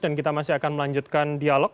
dan kita masih akan melanjutkan dialog